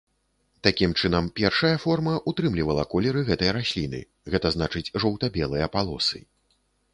Такім чынам першая форма ўтрымлівала колеры гэтай расліны, гэта значыць жоўта-белыя палосы.